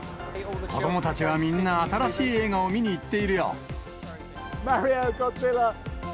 子どもたちはみんな新しい映画を見に行っているよ。